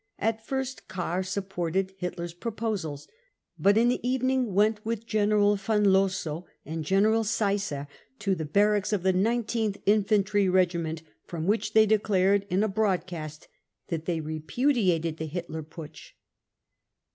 At first Kahr supported Hitler's proposals, but in the evening went with General von Lossow and Colonel Seisser to the barracks of the 1 9th Infantry Regiment, from which they declared in a broad cast that they repudiated the Hitler Putsch